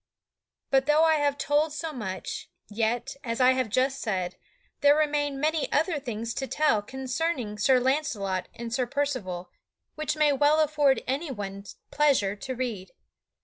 But though I have told so much, yet, as I have just said, there remain many other things to tell concerning Sir Launcelot and Sir Percival, which may well afford anyone pleasure to read.